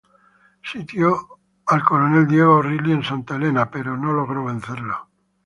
Sitió al coronel Diego O'Reilly en Santa Elena, pero no logró vencerlo.